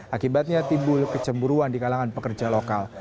akibatnya timbul kecemburuan di kalangan pekerja lokal